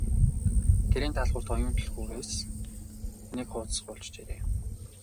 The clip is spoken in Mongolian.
Гэрийн даалгаварт Оюун түлхүүрээс нэг хуудас хуулж бичээрэй.